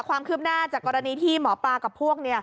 ความคืบหน้าจากกรณีที่หมอปลากับพวก